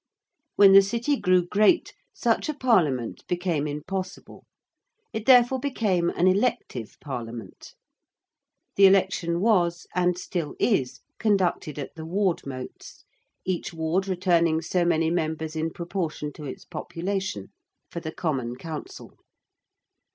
When the City grew great such a Parliament became impossible. It therefore became an elective Parliament. The election was and is still conducted at the Ward Motes, each Ward returning so many members in proportion to its population, for the Common Council.